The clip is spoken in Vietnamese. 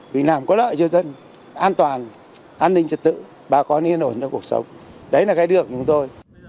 vì làm có lợi cho dân an toàn an ninh trật tự bà con yên ổn trong cuộc sống đấy là cái đường của chúng tôi